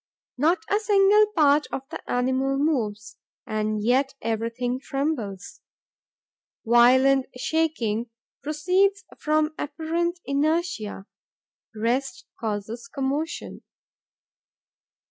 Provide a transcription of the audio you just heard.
Not a single part of the animal moves; and yet everything trembles. Violent shaking proceeds from apparent inertia. Rest causes commotion.